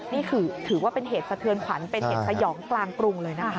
นี่คือถือว่าเป็นเหตุสะเทือนขวัญเป็นเหตุสยองกลางกรุงเลยนะคะ